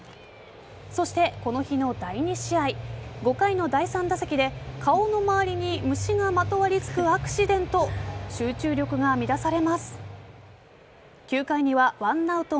そして、この日の第２試合５回の第３打席で顔の周りに虫がまとわりつくアクシデント。